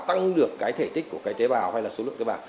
tăng được cái thể tích của cái tế bào hay là số lượng tế bào